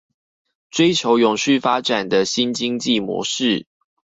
追求永續發展的新經濟模式